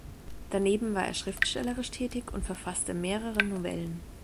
Daneben war er schriftstellerisch tätig und verfasste mehrere Novellen.